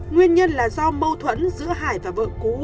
nguyên nhân là do mâu thuẫn giữa hải và vợ cũ